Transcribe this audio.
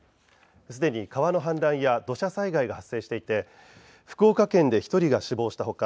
すでに川の氾濫や土砂災害が発生していて福岡県で１人が死亡した他